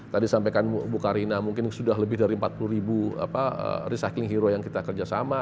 tadi sampaikan bu karina mungkin sudah lebih dari empat puluh ribu recycling hero yang kita kerjasama